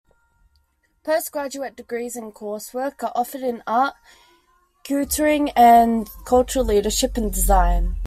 Postgraduate degrees in coursework are offered in Art, Curating and Cultural Leadership and Design.